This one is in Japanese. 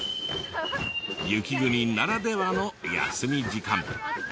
雪国ならではの休み時間。